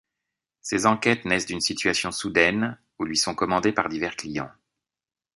Ses enquêtes naissent d'une situation soudaine ou lui sont commandées par divers clients.